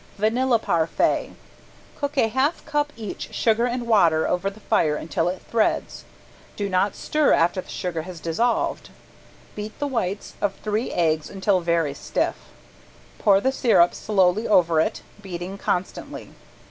~VANILLA PARFAIT~ Cook a half cup each sugar and water over the fire until it threads. Do not stir after the sugar has dissolved. Beat the whites of three eggs until very stiff, pour the sirup slowly over it, beating constantly.